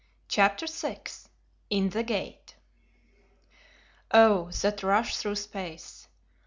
CHAPTER VI IN THE GATE Oh! that rush through space!